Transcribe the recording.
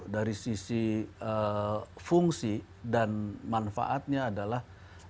dari sisi fungsi dan manfaatnya adalah